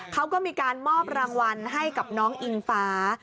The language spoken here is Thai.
เขาก็มีการมอบรางวัลให้กับน้องอิงฟ้า